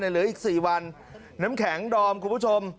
เหลืออีก๔วันน้ำแข็งดอมคุณผู้ชม